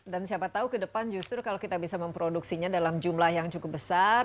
dan siapa tahu ke depan justru kalau kita bisa memproduksinya dalam jumlah yang cukup besar